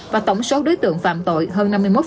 và tổng số đối tượng phạm tội hơn năm mươi một